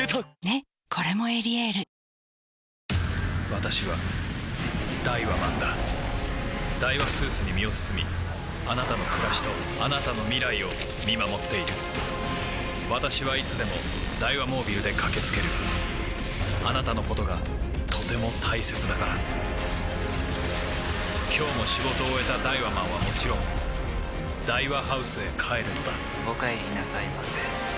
私はダイワマンだダイワスーツに身を包みあなたの暮らしとあなたの未来を見守っている私はいつでもダイワモービルで駆け付けるあなたのことがとても大切だから今日も仕事を終えたダイワマンはもちろんダイワハウスへ帰るのだお帰りなさいませ。